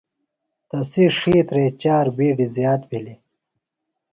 تسی ڇِھیترے چار بِیڈیۡ زِیات بھینیۡ۔